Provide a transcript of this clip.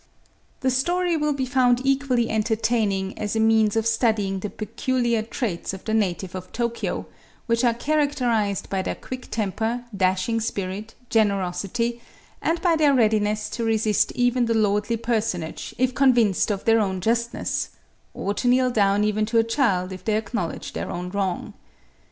The story will be found equally entertaining as a means of studying the peculiar traits of the native of Tokyo which are characterised by their quick temper, dashing spirit, generosity and by their readiness to resist even the lordly personage if convinced of their own justness, or to kneel down even to a child if they acknowledge their own wrong.